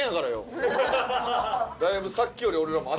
だいぶさっきより俺らも。